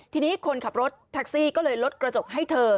ทีนี้คนขับรถแท็กซี่ก็เลยลดกระจกให้เธอ